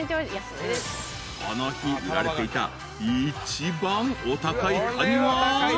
［この日売られていた一番お高いカニは］